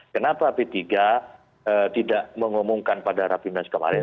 kenapa p tiga tidak mengumumkan pada rapimnas kemarin